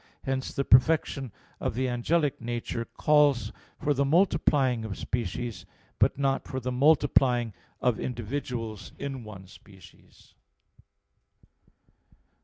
3). Hence the perfection of the angelic nature calls for the multiplying of species, but not for the multiplying of individuals in one species.